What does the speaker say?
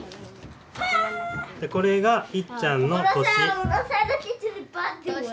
これがいっちゃんの年。